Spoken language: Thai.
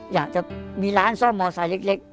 อยากจะมีร้านซ่อมมอเซอร์ลิค